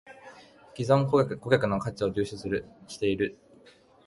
① 既存顧客の価値を重視している